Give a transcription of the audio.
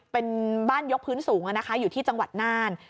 เป็นบ้านยกพื้นสูงอยู่ที่จังหวัดน่าน